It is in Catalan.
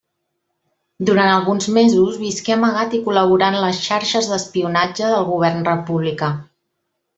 Durant alguns mesos visqué amagat i col·laborà en les xarxes d'espionatge del govern republicà.